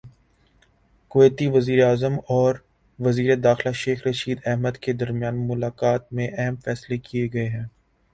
کویتی وزیراعظم اور وزیر داخلہ شیخ رشید احمد کے درمیان ملاقات میں اہم فیصلے کیے گئے ہیں